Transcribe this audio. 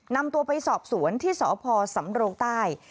นำตัวไปสอบสวนที่สพสำโรงใต้